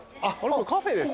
カフェですか？